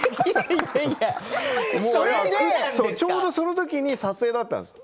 ちょうど、その時に撮影だったんですよ。